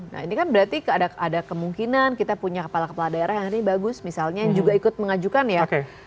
nah ini kan berarti ada kemungkinan kita punya kepala kepala daerah yang hari ini bagus misalnya yang juga ikut mengajukan ya